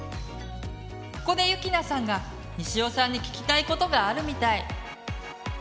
ここでゆきなさんがにしおさんに聞きたいことがあるみたい。